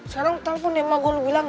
sekarang aku telepon emak gue lo bilang